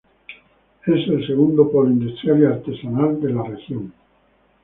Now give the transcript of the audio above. Es el segundo polo industrial y artesanal de la región.